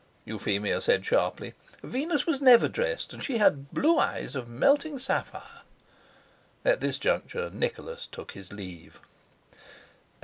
Euphemia said sharply: "Venus was never dressed, and she had blue eyes of melting sapphire." At this juncture Nicholas took his leave.